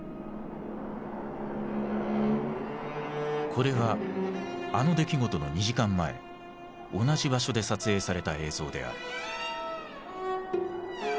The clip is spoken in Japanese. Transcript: これはあの出来事の２時間前同じ場所で撮影された映像である。